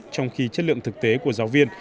trong khi chất lượng thực tế của giáo viên